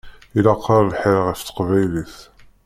Ilaq-aɣ lḥir ɣef teqbaylit.